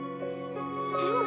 でも。